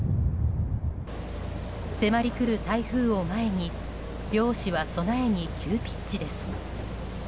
迫り来る台風を前に漁師は備えに急ピッチです。